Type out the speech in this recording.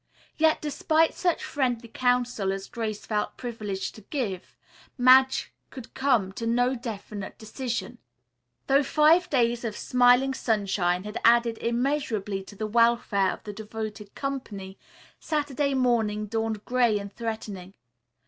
Yet despite such friendly counsel as Grace felt privileged to give, Madge could come to no definite decision. Though five days of smiling sunshine had added immeasurably to the welfare of the devoted company, Saturday morning dawned gray and threatening.